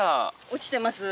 落ちてます。